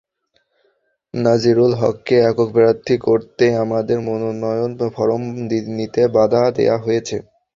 নাজিরুল হককে একক প্রার্থী করতেই আমাদের মনোনয়ন ফরম নিতে বাধা দেওয়া হয়েছে।